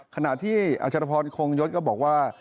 ขณะที่อัชรพรคงยศก็บอกว่า